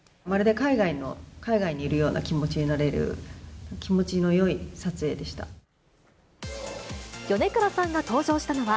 まるで海外にいるような気持ちになれる、気持ちのよい撮影でした。